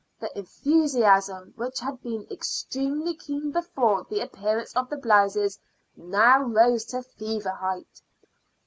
The enthusiasm, which had been extremely keen before the appearance of the blouses, now rose to fever height.